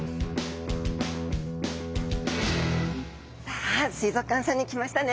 さあ水族館さんに来ましたね！